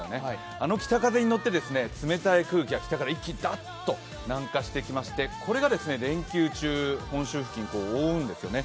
あの北風に乗って冷たい空気が北から一気に南下してきましてこれが連休中、本州付近、覆うんですよね。